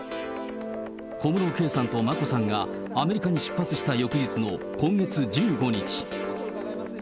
小室圭さんと眞子さんがアメリカに出発した翌日の今月１５日。